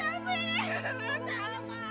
aduh gimana ini